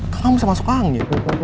kan kamu bisa masuk hangnya